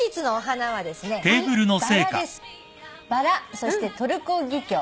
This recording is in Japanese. そしてトルコギキョウ。